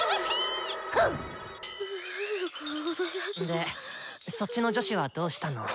でそっちの女子はどうしたの？